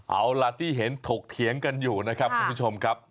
เอาล่ะที่เห็นถกเถียงกันอยู่นะครับคุณผู้ชมครับ